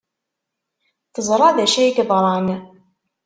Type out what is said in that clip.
Teẓra d acu ay yeḍran.